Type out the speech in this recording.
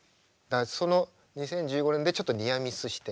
その２０１５年でちょっとニアミスして。